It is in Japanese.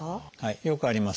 よくあります。